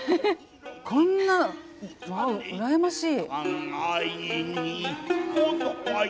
こんなわあ羨ましい。